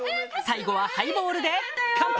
最後はハイボールで乾杯！